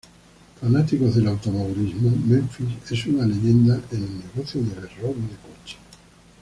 Fanático del automovilismo, Memphis es una leyenda en el negocio de robo de coches.